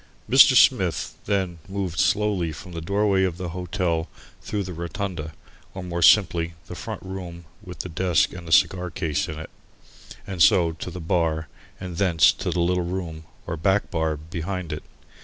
Mr. Smith, then, moved slowly from the doorway of the hotel through the "rotunda," or more simply the front room with the desk and the cigar case in it, and so to the bar and thence to the little room or back bar behind it.